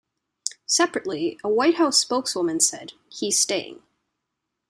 Separately, a White House spokeswoman said, "He's staying".